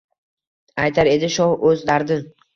Aytar edi shoh o’z dardin